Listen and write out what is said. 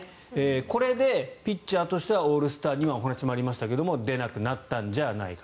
これでピッチャーとしてはオールスターには今、お話にもありましたが出なくなったんじゃないか。